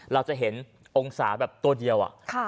เราจะเห็นองศาแบบตัวเดียว